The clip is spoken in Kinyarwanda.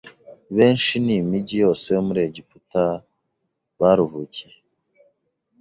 benshi n’imijyi yose yo muri Egiputa baruhukiye